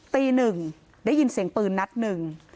ตีหนึ่งได้ยินเสียงปืนนัดหนึ่ง